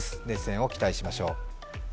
熱戦を期待しましょう。